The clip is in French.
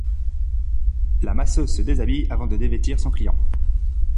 La masseuse se déshabille avant de dévêtir son client.